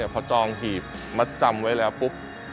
พอจองหีบมัดจำไว้แล้วปุ๊บ